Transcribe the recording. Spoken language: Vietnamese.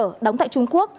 là trụ sở đóng tại trung quốc